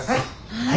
はい。